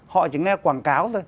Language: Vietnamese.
họ chỉ nghe quảng cáo thôi